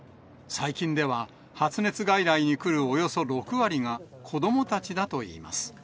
最近では、発熱外来に来るおよそ６割が、子どもたちだといいます。